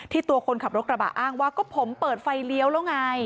ตัวคนขับรถกระบะอ้างว่าก็ผมเปิดไฟเลี้ยวแล้วไง